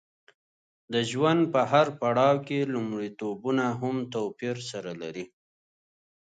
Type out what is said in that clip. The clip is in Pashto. د ژوند په هر پړاو کې لومړیتوبونه هم توپیر سره لري.